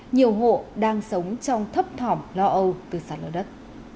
nhiều hộ đang sống trong thấp thỏm lo âu từ sạt lở đất